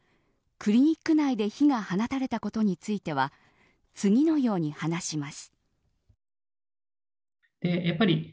クリニック内で火が放たれたことについては次のように話します。